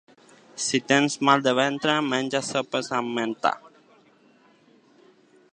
Si tens mal de ventre menja sopes amb menta.